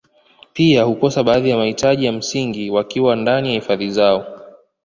Pia hukosa baadhi ya mahitaji ya msingi wakiwa ndani ya hifadhi zao